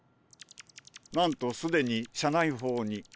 なんとすでに社内報に。